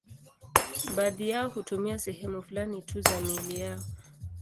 Baadhi yao hutumia sehemu fulani tu za miili yao.